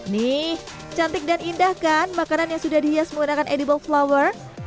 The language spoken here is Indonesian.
nih cantik dan indah kan makanan yang sudah dihias menggunakan edible flower